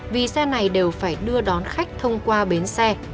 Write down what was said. vì xe này đều phải đưa đón khách thông qua bến xe